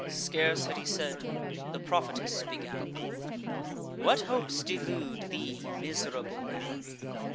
Scarce had he said, the prophetess began: "What hopes delude thee, miserable man?